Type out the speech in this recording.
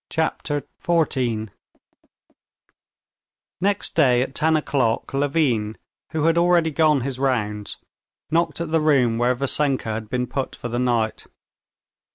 Chapter 14 Next day at ten o'clock Levin, who had already gone his rounds, knocked at the room where Vassenka had been put for the night.